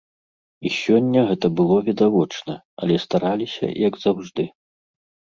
І сёння гэта было відавочна, але стараліся, як заўжды.